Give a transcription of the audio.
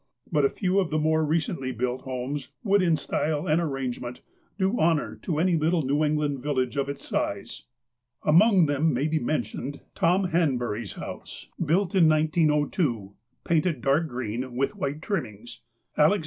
But a few of the more recently built homes would, in style and arrangement, do honour to any little New England village of its size. Among them may be mentioned Tom Hanbury's 304 THE APOSTLE OF ALASKA house, built in 1902, painted dark green, with white trimmings; Alex.